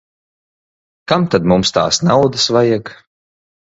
Kam tad mums tās naudas vajag.